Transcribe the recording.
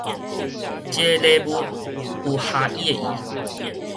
這个禮物有合伊的意